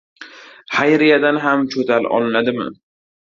Xayriyadan ham «cho‘tal» olinadimi?